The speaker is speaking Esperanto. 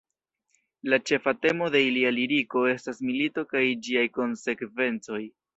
La ĉefa temo de ilia liriko estas milito kaj ĝiaj konsekvencoj.